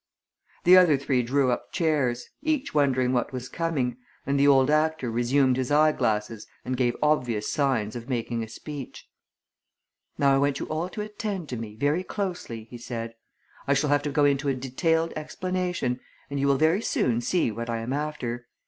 The other three drew up chairs, each wondering what was coming, and the old actor resumed his eyeglasses and gave obvious signs of making a speech. "Now I want you all to attend to me, very closely," he said. "I shall have to go into a detailed explanation, and you will very soon see what I am after.